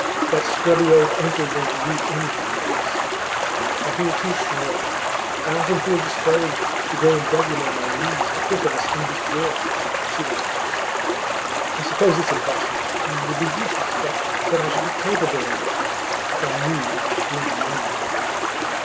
That scrubby old uncle won't leave anything to us; I feel too sure of it. I often feel disposed to go and beg him on my knees to think of us in his will.' She laughed. 'I suppose it's impossible, and would be useless; but I should be capable of it if I knew it would bring money.